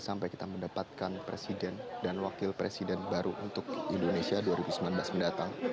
sampai kita mendapatkan presiden dan wakil presiden baru untuk indonesia dua ribu sembilan belas mendatang